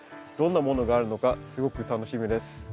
どんなものがあるのかすごく楽しみです。